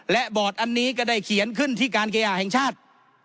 และบอร์ดอันนี้ก็ได้เขียนขึ้นที่การเคหะแห่งชาติ